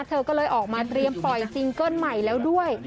เธอก็เลยออกมาเตรียมปล่อยซิงเกิ้ลใหม่แล้วด้วย